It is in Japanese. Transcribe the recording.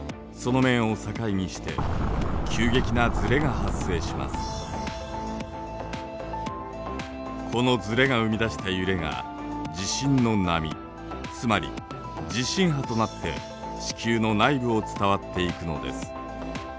このずれが生み出した揺れが地震の波つまり地震波となって地球の内部を伝わっていくのです。